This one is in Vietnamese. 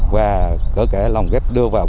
và cỡ kẻ lòng ghép đưa